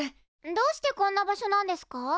どうしてこんな場所なんですか？